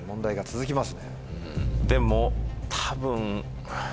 でも多分。